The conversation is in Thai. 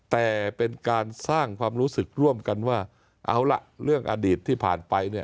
แต่เป็นการสร้างความรู้สึกร่วมกันว่าเอาล่ะเรื่องอดีตที่ผ่านไปเนี่ย